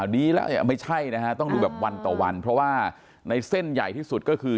นี้แล้วไม่ใช่นะฮะต้องดูแบบวันต่อวันเพราะว่าในเส้นใหญ่ที่สุดก็คือ